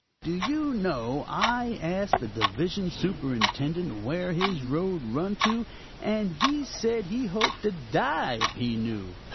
"Do you know, I asked a division superintendent where his road run to, and he said he hoped to die if he knew.